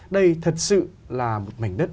đây thật sự là một mảnh đất